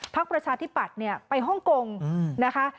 พรรคประชาธิปัสไปห้องกงนะคะ